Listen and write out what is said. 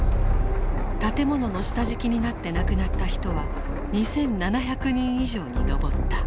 建物の下敷きになって亡くなった人は２，７００人以上に上った。